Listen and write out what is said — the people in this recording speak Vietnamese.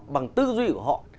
bằng tư duy của họ